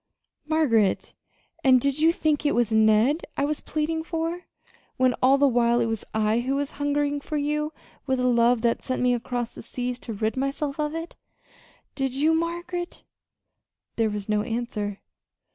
"Margaret! And did you think it was Ned I was pleading for, when all the while it was I who was hungering for you with a love that sent me across the seas to rid myself of it? Did you, Margaret?" There was no answer.